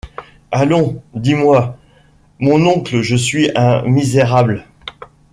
Allons, dis-moi: « Mon oncle, je suis un misérable!